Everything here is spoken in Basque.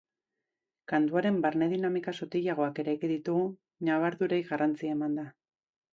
Kantuaren barne-dinamika sotilagoak eraiki ditugu, ñabardurei garrantzia emanda.